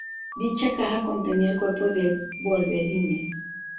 Dicha caja contenía el cuerpo de Wolverine.